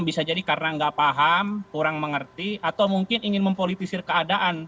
bisa jadi karena nggak paham kurang mengerti atau mungkin ingin mempolitisir keadaan